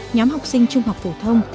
nhóm học sinh trung học phổ thông